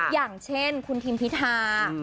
อย่างเช่นคุณทิมพิธา